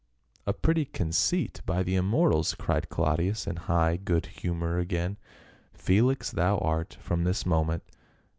"A pretty conceit, by the immortals !" cried Clau dius in high good humor again. " Felix thou art from this moment.